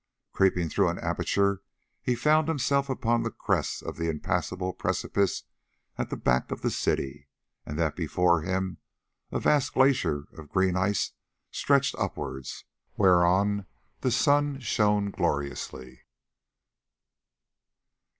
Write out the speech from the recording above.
Creeping through an aperture he found himself upon the crest of the impassable precipice at the back of the city, and that before him a vast glacier of green ice stretched upwards, whereon the sun shone gloriously.